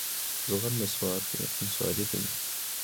زغر نصواري دي.